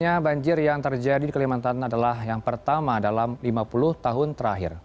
sebenarnya banjir yang terjadi di kalimantan adalah yang pertama dalam lima puluh tahun terakhir